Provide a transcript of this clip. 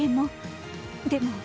でも。